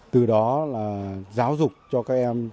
từ đó là giáo dục cho các em